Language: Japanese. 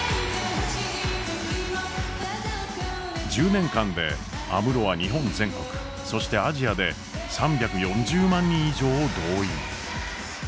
１０年間で安室は日本全国そしてアジアで３４０万人以上を動員。